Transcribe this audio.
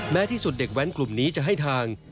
ที่สุดเด็กแว้นกลุ่มนี้จะให้ทาง